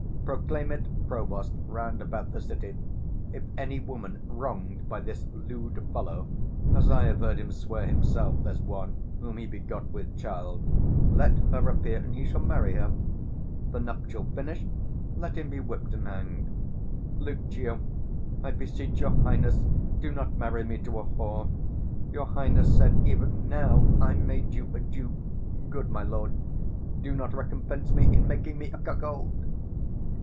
505 Proclaim it, provost, round about the city, Is any woman wrong'd by this lewd fellow, As I have heard him swear himself there's one Whom he begot with child, let her appear, And he shall marry her: the nuptial finish'd, 510 Let him be whipt and hang'd. Lucio. I beseech your highness, do not marry me to a whore. Your highness said even now, I made you a Duke: good my lord, do not recompense me in making me a cuckold.